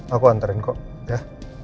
aku anterin kok ya